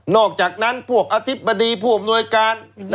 อกจากนั้นพวกอธิบดีผู้อำนวยการ